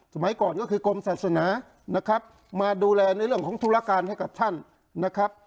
สมัยก่อนก็คือกรมศาสนานะครับมาดูแลในเรื่องของธุรการให้กับท่านนะครับ